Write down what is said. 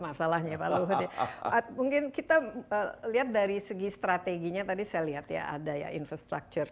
masalahnya pak luhut mungkin kita lihat dari segi strateginya tadi saya lihat ya ada ya infrastructure